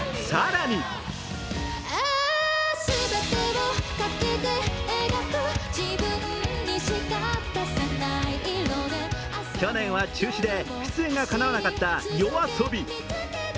更に去年は中止で出演がかなわなかったＹＯＡＳＯＢＩ。